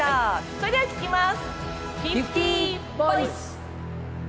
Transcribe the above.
それでは聞きます。